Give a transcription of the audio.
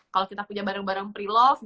kalau kita punya barang barang pre love